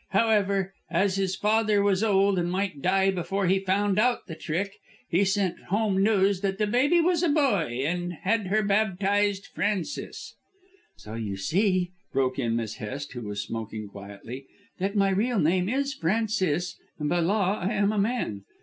However, as his father was old and might die before he found out the trick, he sent home news that the baby was a boy, and had her baptised Francis." "So you see," broke in Miss Hest who was smoking quietly, "that my real name is Francis, and by law I am a man.